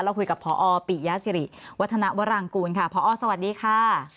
เราคุยกับพอปิยสิริวัฒนวรางกูลค่ะพอสวัสดีค่ะ